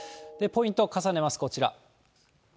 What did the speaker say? ポイントを重ねます、こちら。